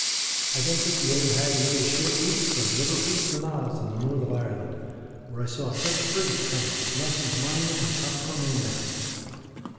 I then took the Old Hag and made a short leap from Liverpool to Naas in the North of Ireland, where I saw a French frigate coming with Nelson's monument on the top of her mainmast.